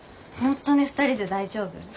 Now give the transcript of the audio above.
本当に２人で大丈夫？